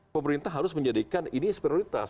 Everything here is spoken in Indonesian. pemerintah harus menjadikan ini prioritas